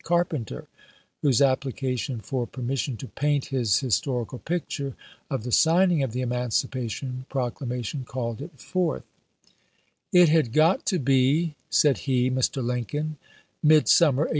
Car penter, whose application for permission to paint his historical picture of the signing of the Eman cipation Proclamation called it forth :'* It had got to be," said he [Mr. Lincoln], " midsum mer, 1862.